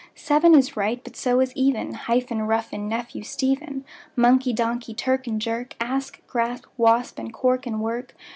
Seven is right, but so is even; Hyphen, roughen, nephew, Stephen; Monkey, donkey; clerk and jerk; Asp, grasp, wasp; and cork and work.